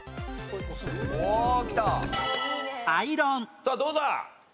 さあどうだ？